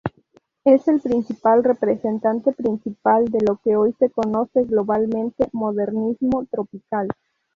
Es el principal representante principal de lo que hoy se conoce globalmente modernismo tropical.